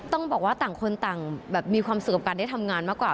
ต้องบอกว่าต่างคนต่างแบบมีความสุขกับการได้ทำงานมากกว่า